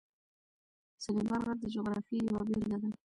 سلیمان غر د جغرافیې یوه بېلګه ده.